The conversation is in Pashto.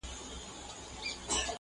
مصیبت دي پر وېښتانو راوستلی؟.!